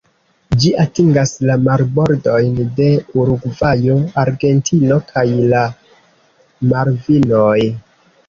Ĝi atingas la marbordojn de Urugvajo, Argentino kaj la Malvinoj.